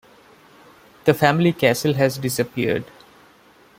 The family castle has disappeared.